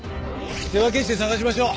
手分けして捜しましょう。